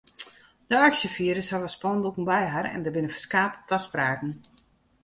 De aksjefierders hawwe spandoeken by har en der binne ferskate taspraken.